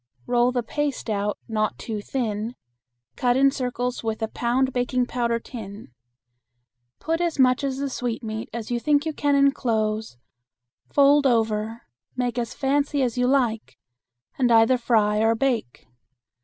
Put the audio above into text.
Roll the paste out not too thin, cut in circles with a pound baking powder tin. Put as much of the sweetmeat as you think you can enclose, fold over, make as fancy as you like, and either fry or bake.